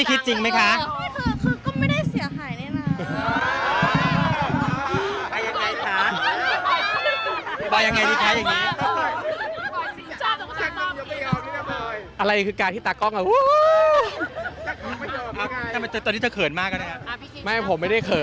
เขาอาจจะรู้สึกอย่างนั้นจริงก็ได้